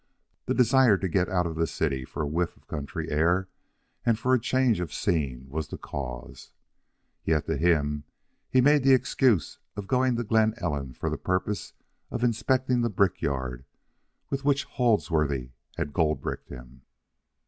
The desire to get out of the city for a whiff of country air and for a change of scene was the cause. Yet, to himself, he made the excuse of going to Glen Ellen for the purpose of inspecting the brickyard with which Holdsworthy had goldbricked him.